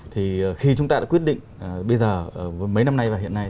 thì khi chúng ta đã quyết định bây giờ mấy năm nay và hiện nay